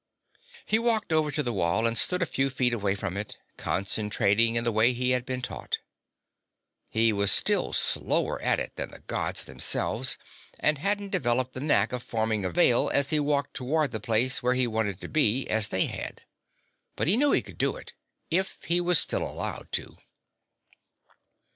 He walked over to the wall and stood a few feet away from it, concentrating in the way he had been taught. He was still slower at it than the Gods themselves, and hadn't developed the knack of forming a Veil as he walked toward the place where he wanted it to be, as they had. But he knew he could do it if he was still allowed to.